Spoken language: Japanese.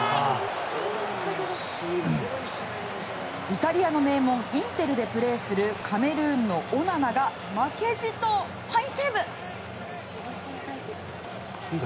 イタリアの名門インテルでプレーするカメルーンのオナナが負けじとファインセーブ。